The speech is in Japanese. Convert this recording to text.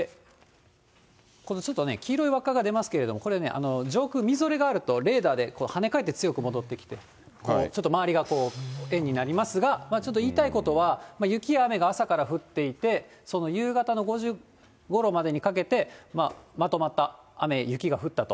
このちょっと黄色い輪っかが出ますけれども、これね、上空、みぞれがあるとレーダーではね返って強く戻ってきて、ちょっと周りが円になりますが、ちょっと言いたいことは、雪や雨が朝から降っていて、その夕方の５時ごろまでにかけてまとまった雨、雪が降ったと。